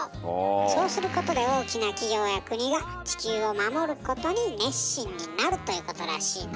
そうすることで大きな企業や国が地球を守ることに熱心になるということらしいの。